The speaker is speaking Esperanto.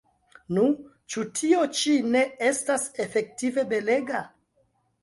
Nu, ĉu tio ĉi ne estas efektive belega?